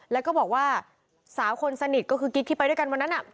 แล้วก็บอกว่าสาวคนสนิทก็คือกิ๊กที่ไปด้วยกันวันนั้น